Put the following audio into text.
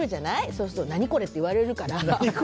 そうすると、何これ？って言われるから。